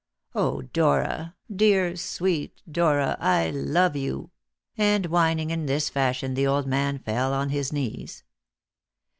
Oh, Dora, dear, sweet Dora, I love you!" and whining in this fashion the old man fell on his knees.